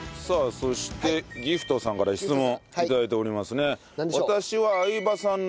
さあそしてギフトさんから質問頂いておりますね。